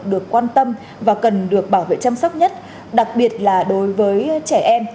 được quan tâm và cần được bảo vệ chăm sóc nhất đặc biệt là đối với trẻ em